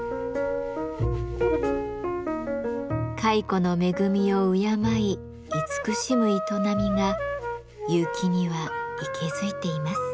蚕の恵みを敬い慈しむ営みが結城には息づいています。